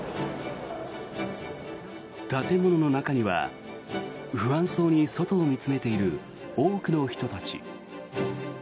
建物の中には不安そうに外を見つめている多くの人たち。